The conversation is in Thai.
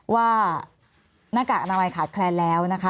ว่าหน้ากากอนามัยขาดแคลนแล้วนะคะ